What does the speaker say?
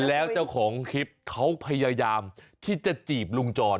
แล้วเจ้าของคลิปเขาพยายามที่จะจีบลุงจร